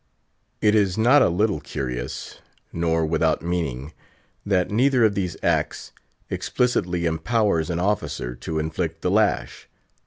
It is not a little curious, nor without meaning, that neither of these acts explicitly empowers an officer to inflict the lash.